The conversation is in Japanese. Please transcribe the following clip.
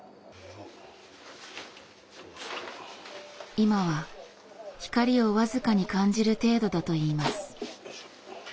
今は光を僅かに感じる程度だといいます。